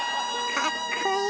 かっこいい！